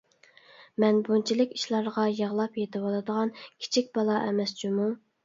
مەن بۇنچىلىك ئىشلارغا يىغلاپ يېتىۋالىدىغان كىچىك بالا ئەمەس جۇمۇ.